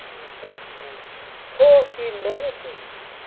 you say, and "Poor Humanity!"